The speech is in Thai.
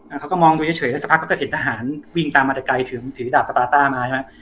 เขาก็มองดูเฉยแล้วสักพักเขาก็เห็นทหารวิ่งตามมาแต่ไกลถึงถือดาบสปาต้ามาใช่ไหม